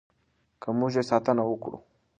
که موږ یې ساتنه وکړو.